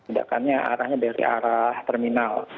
ledakannya arahnya dari arah terminal